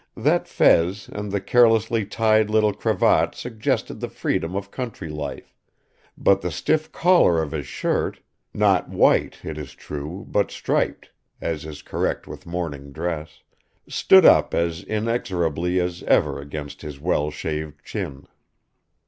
That fez and the carelessly tied little cravat suggested the freedom of country life, but the stiff collar of his shirt not white, it is true, but striped, as is correct with morning dress stood up as inexorably as ever against his well shaved chin.